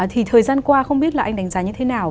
thì thời gian qua không biết là anh đánh giá như thế nào